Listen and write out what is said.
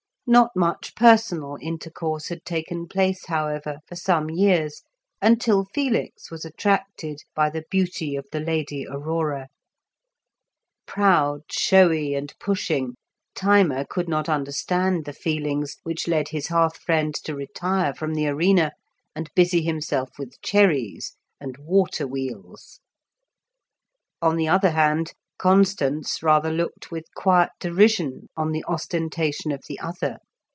Not much personal intercourse had taken place, however, for some years, until Felix was attracted by the beauty of the Lady Aurora. Proud, showy, and pushing, Thyma could not understand the feelings which led his hearth friend to retire from the arena and busy himself with cherries and water wheels. On the other hand, Constans rather looked with quiet derision on the ostentation of the other.